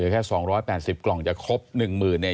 แต่๒๘๐กล่องจะครบ๑หมื่นเนี่ย